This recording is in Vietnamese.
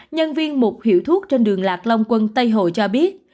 nhân viên một hiệu thuốc trên đường lạc long quân tây hồ cho biết